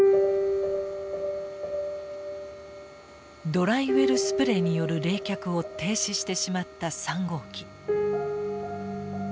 ドライウェルスプレイによる冷却を停止してしまった３号機。